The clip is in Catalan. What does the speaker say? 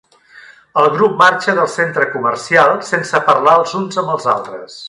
El grup marxa del centre comercial sense parlar els uns amb els altres.